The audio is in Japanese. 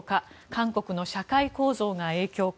韓国の社会構造が影響か。